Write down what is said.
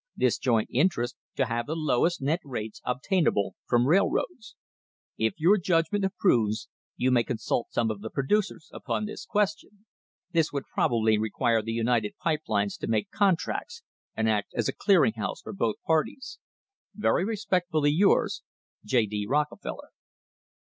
This joint interest to have the lowest net rates obtainable from railroads. If your judgment ap proves, you may consult some of the producers upon this question. This would proba bly require the United Pipe Lines to make contracts and act as a clearing house for both parties. Very respectfully yours, J. D. Rockefeller."